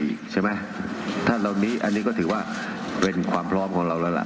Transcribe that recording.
ใช่ไหมถ้าเรานี้อันนี้ก็ถือว่าเป็นความพร้อมของเราแล้วล่ะ